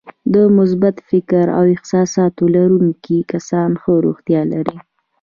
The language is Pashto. د مثبت فکر او احساساتو لرونکي کسان ښه روغتیا لري.